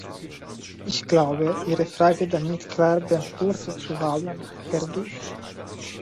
Ich glaube, Ihre Frage damit klar beantwortet zu haben, Herr Duff.